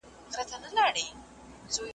له سهاره تر ماښامه په غیبت وي ,